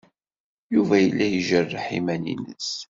Yuba yella ijerreḥ iman-nnes.